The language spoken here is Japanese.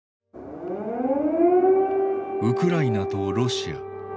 ウクライナとロシア。